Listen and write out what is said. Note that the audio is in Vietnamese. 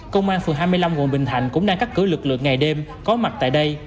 công an phường hai mươi năm quận bình thạnh cũng đang cắt cử lực lượng ngày đêm có mặt tại đây